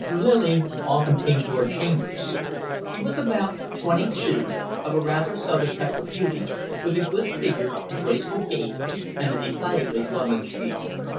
Lily often came to our chambers. She was about twenty two, of a rather Southern type of beauty, with a good figure, a graceful gait, and a decidedly London chic.